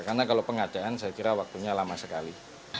karena kalau pengadaan saya kira waktunya lama sekali